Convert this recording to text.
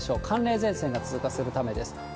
寒冷前線が通過するためです。